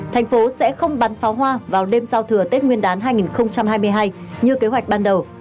thành phố sẽ không bắn pháo hoa vào đêm giao thừa tết nguyên đán hai nghìn hai mươi hai như kế hoạch ban đầu